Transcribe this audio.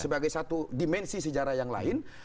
sebagai satu dimensi sejarah yang lain